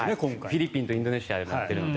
フィリピンとインドネシアでもやってるので。